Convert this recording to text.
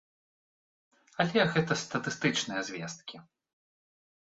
Але гэта статыстычныя звесткі.